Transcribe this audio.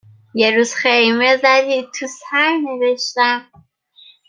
یه روز خیمه زدی تو سرنوشتم